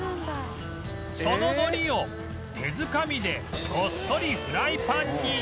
その海苔を手づかみでごっそりフライパンに